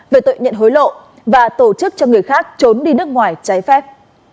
bộ tư lệnh hối lộ và tổ chức cho người khác trốn đi nước ngoài trái phép